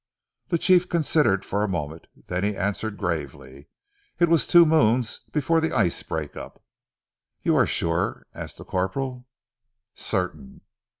The chief considered for a moment. Then he answered gravely. "It was two moons before ze ice break up." "You are sure?" asked the corporal. "Certain!"